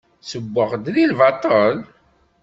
Ssewweɣ-d deg lbaṭel?